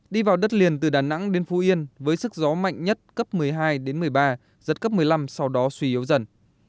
đi vào đất liền từ đà nẵng đến phú yên với sức gió mạnh nhất cấp một mươi hai đến một mươi ba giật cấp một mươi năm sau đó suy yếu dần